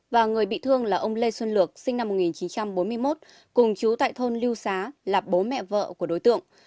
và người bị thương là ông lê xuân lược sinh năm một nghìn chín trăm bốn mươi một cùng chú tại thôn lưu xá là bố mẹ vợ của đối tượng